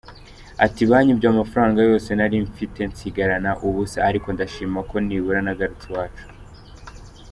Ati “Banyibye amafaranga yose nari mfite nsigarana ubusa ariko ndashima ko nibura nagarutse iwacu.”